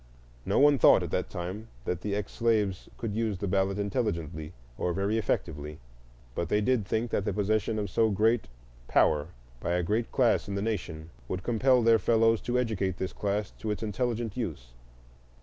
No one thought, at the time, that the ex slaves could use the ballot intelligently or very effectively; but they did think that the possession of so great power by a great class in the nation would compel their fellows to educate this class to its intelligent use.